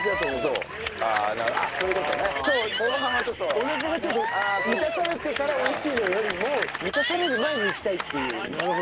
おなかがちょっと満たされてから美味しいのよりも満たされる前にいきたいっていう。